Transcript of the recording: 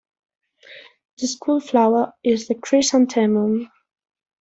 The school flower is the chrysanthemum.